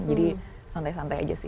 jadi santai santai aja sih